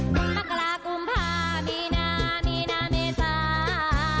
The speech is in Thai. มักกะลากุมภาพีนามีนาเมษา